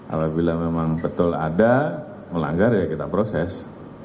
apabila memang betul ada melanggar ya kita proses